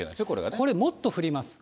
これ、もっと降ります。